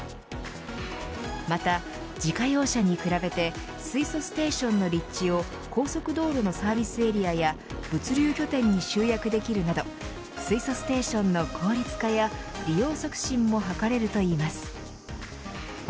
また自家用車に比べて水素ステーションの立地を高速道路のサービスエリアや物流拠点に集約できるなど水素ステーションの効率化や利用促進も図れるといいます。